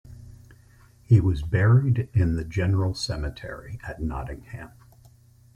He was buried in the general cemetery at Nottingham.